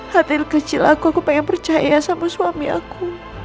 hati kecil aku aku pengen percaya sama suami aku